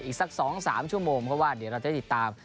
อีกสัก๒๓ชั่วโมงเพราะว่าเดี๋ยวเราจะติดตาม